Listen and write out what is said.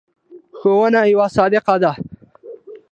ښوونه یوه صدقه ده.